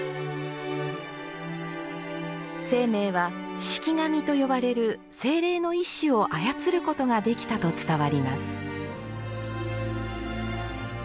晴明は「式神」とよばれる精霊の一種を操ることができたと伝わります。